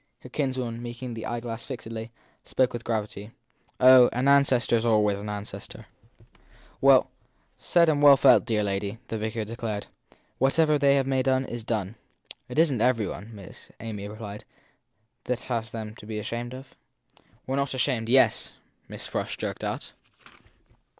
Her kinswoman, meeting the eyeglass fixedly, spoke with gravity. Oh, an ancestor s always an ancestor. Well said and well felt, dear lady! the vicar declared. Whatever they may have done It isn t every one, 7 Miss Amy replied, that has them to be ashamed of. And we re not ashamed yet! 1 Miss Frush jerked out.